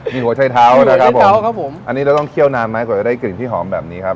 มีหัวใช้เท้านะครับผมเท้าครับผมอันนี้เราต้องเคี่ยวนานไหมกว่าจะได้กลิ่นที่หอมแบบนี้ครับ